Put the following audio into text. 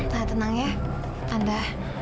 tante tenang ya tante